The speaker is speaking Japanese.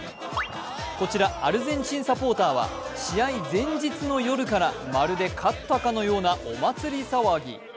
こちら、アルゼンチンサポーターは試合前日の夜からまるで勝ったかのようなお祭り騒ぎ。